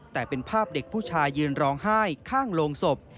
แต่เป็นภาพเด็กผู้ชายยืนร้องไห้ข้างโรงศพ